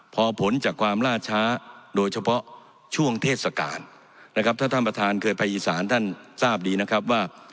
พอผลจากความล่าช้าโดยเฉพาะช่วงเทศกาลนะครับถ้าท่านประธานเคยไปอีสานท่านทราบดีนะครับว่า